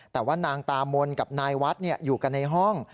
แต่ว่านางตามนกับนายวัดอยู่กันในห้อง